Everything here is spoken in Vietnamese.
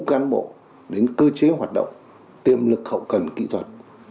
cán bộ đến cơ chế hoạt động tiềm lực hậu cần kỹ thuật